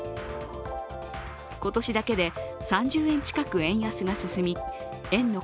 今年だけで３０円近く円安が進み円の